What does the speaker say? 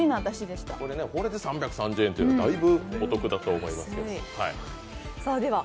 これで３３０円というのはだいぶお得だと思いますけど。